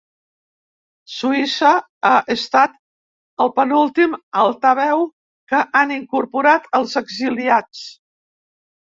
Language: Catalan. Suïssa ha estat el penúltim altaveu que han incorporat els exiliats.